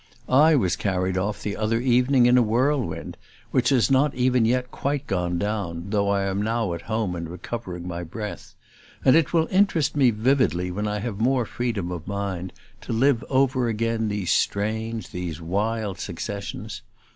I was carried off the other evening in a whirlwind, which has not even yet quite gone down, though I am now at home and recovering my breath; and it will interest me vividly, when I have more freedom of mind, to live over again these strange, these wild successions.